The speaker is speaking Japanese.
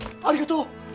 ありがとう！